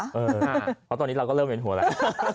เพราะตอนนี้เราก็เริ่มเห็นหัวแล้ว